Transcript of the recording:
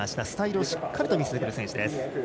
スタイルをしっかり見せる選手です。